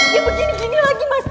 dia begini gini lagi mas